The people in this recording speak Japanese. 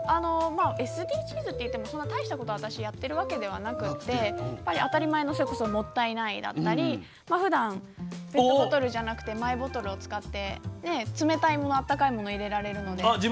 ＳＤＧｓっていってもそんな大したことを私やっているわけではなくて当たり前のもったいないだったりふだんペットボトルじゃなくてマイボトルを使って冷たいものも温かいものも入れられるので。